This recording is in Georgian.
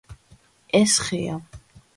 ეს ხეა